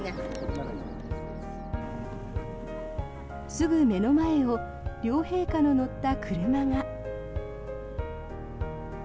すぐ目の前を両陛下の乗った車が。